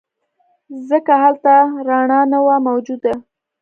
ځکه هلته رڼا نه وه موجوده.